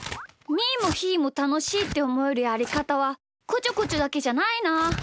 ーもひーもたのしいっておもえるやりかたはこちょこちょだけじゃないな。